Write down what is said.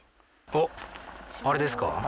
おっあれですか？